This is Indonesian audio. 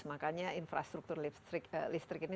makanya infrastruktur listrik ini